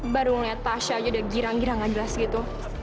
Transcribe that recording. baru lihat tasya aja udah girang girang aja lah segitu